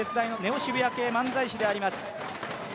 渋谷系漫才師であります。